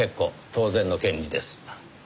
当然の権利です。